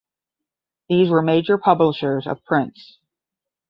These were major publishers of prints.